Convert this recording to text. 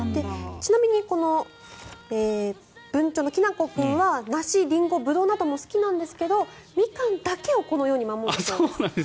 ちなみにこのブンチョウのきなこ君は梨、リンゴ、ブドウなども好きですがミカンだけをこのように守るということです。